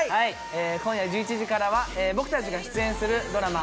今夜１１時からは僕たちが出演するドラマ